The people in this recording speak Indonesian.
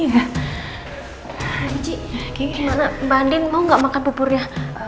mbak mici gimana bandin mau gak makan bubur ya